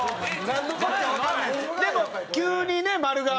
でも急にね○が。